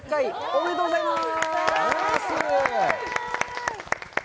ありがとうございます。